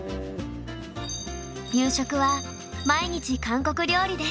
夕食は毎日韓国料理です。